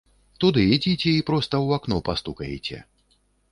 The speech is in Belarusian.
Туды ідзіце і проста ў акно пастукаеце.